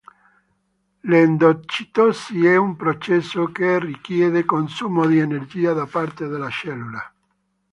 L'endocitosi è un processo che richiede consumo di energia da parte della cellula.